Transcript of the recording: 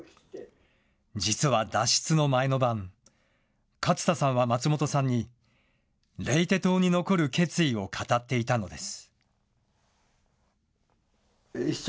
実は脱出の前の晩、勝田さんは松本さんに、レイテ島に残る決意を語っていたのです。